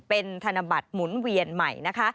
เป็นธนบัตรหมุนเวียนใหม่นะคะ